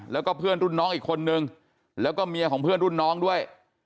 แล้วก็เพื่อนรุ่นน้องอีกคนนึงแล้วก็เมียของเพื่อนรุ่นน้องด้วย